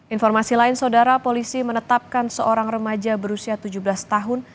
informasi lain saudara polisi menetapkan seorang remaja berusia tujuh belas tahun